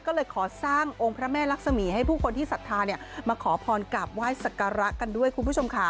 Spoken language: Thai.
ก็เลยขอสร้างองค์พระแม่ลักษมีให้ผู้คนที่ศัฐรณ์เนี้ยมาขอผ่อนกับไหว้สักอาระกันด้วยคุณผู้ชมขา